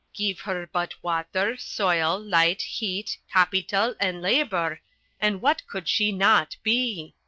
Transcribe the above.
Give her but water, soil, light, heat, capital and labour, and what could she not be!